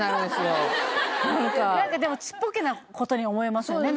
何かでもちっぽけなことに思えますよね